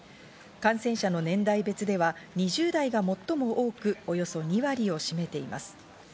感染者の年代別では２０代が最も多く、およそ２割を占めています。